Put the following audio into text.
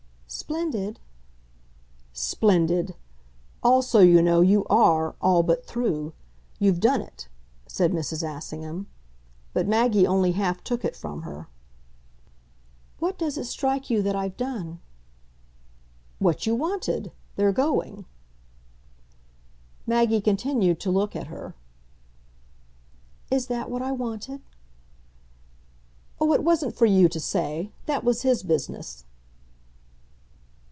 "Splendid?" "Splendid. Also, you know, you ARE all but 'through.' You've done it," said Mrs. Assingham. But Maggie only half took it from her. "What does it strike you that I've done?" "What you wanted. They're going." Maggie continued to look at her. "Is that what I wanted?" "Oh, it wasn't for you to say. That was his business."